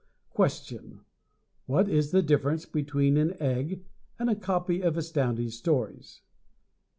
Question: What is the difference between an egg and a copy of Astounding Stories?